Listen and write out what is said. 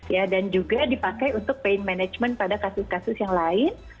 ya dan juga dipakai untuk pain management pada kasus kasus yang lain